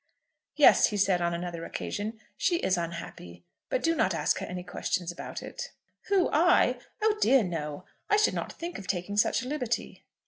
"Yes," he said on another occasion, "she is unhappy; but do not ask her any questions about it." "Who, I? Oh dear, no! I should not think of taking such a liberty."